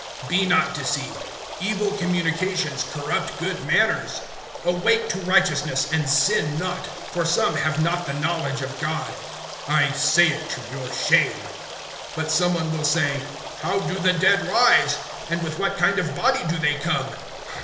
(33)Be not deceived; evil communications corrupt good manners. (34)Awake to righteousness, and sin not; for some have not the knowledge of God. I say it to your shame. (35)But some one will say: How do the dead rise? And with what kind of body do they come?